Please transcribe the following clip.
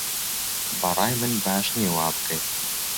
بەڕای من باش نییە وابکەی